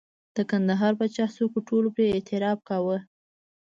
د کندهار په چارسو کې ټولو پرې اعتراف کاوه.